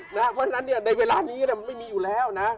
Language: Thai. เพราะฉะนั้นในเวลานี้มันไม่มีอยู่แล้วนะ